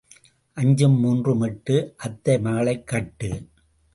அஞ்சும் மூன்றும் எட்டு அத்தை மகளைக் கட்டு.